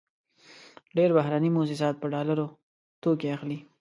ډېری بهرني موسسات په ډالرو توکې اخلي.